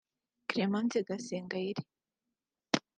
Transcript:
Clémence Gasengayire